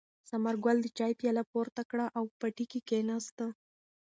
ثمرګل د چای پیاله پورته کړه او په پټي کې کېناست.